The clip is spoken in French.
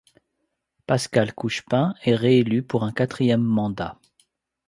Pascal Couchepin est réélu pour un quatrième mandat.